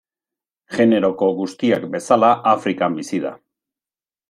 Generoko guztiak bezala Afrikan bizi da.